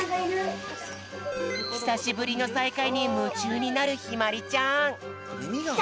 ひさしぶりのさいかいにむちゅうになるひまりちゃん。